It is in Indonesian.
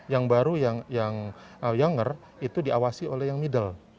yang baru yang younger itu diawasi oleh yang middle